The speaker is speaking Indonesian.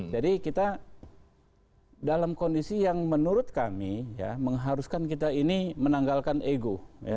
jadi kita dalam kondisi yang menurut kami mengharuskan kita ini menanggalkan ego